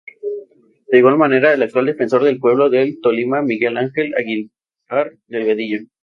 De igual manera, el actual Defensor del Pueblo del Tolima, Miguel Angel Aguiar Delgadillo.